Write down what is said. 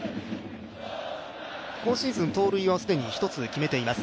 今シーズン、盗塁は既に１つ決めています。